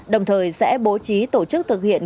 đồng thời sẽ bố trí tổ chức thực hiện